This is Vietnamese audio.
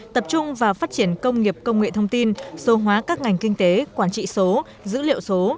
tập trung vào phát triển công nghiệp công nghệ thông tin số hóa các ngành kinh tế quản trị số dữ liệu số